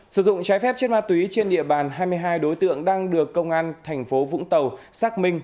sử dụng trái phép chất ma túy trên địa bàn hai mươi hai đối tượng đang được công an thành phố vũng tàu xác minh